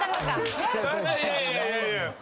いやいやいやいや。